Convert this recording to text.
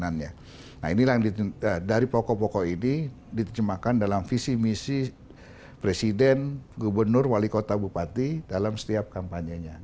nah inilah yang dari pokok pokok ini diterjemahkan dalam visi misi presiden gubernur wali kota bupati dalam setiap kampanyenya